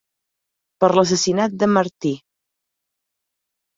Per l'assassinat de Marthe.